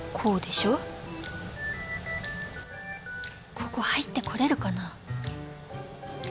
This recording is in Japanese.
ここ入ってこれるかなあ？